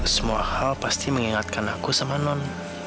semua hal pasti mengingatkan aku sama non